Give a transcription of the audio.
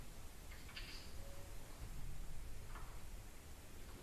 უკანასკნელმა ინგლისურად თარგმნა უცნობი ავტორის ლექსი „კამა სუტრის გაკვეთილი“.